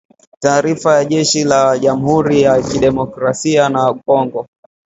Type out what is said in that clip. Taarifa ya jeshi la jamhuri ya kidemokrasia ya Kongo